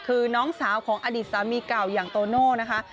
คือน้องสาวของอดีตสามีเก่าอย่างโตโน่นะคะ